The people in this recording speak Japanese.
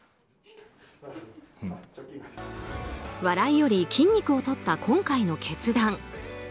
笑いより筋肉をとった今回の決断。